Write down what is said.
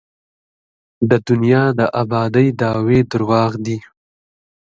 د دنیا د ابادۍ دعوې درواغ دي.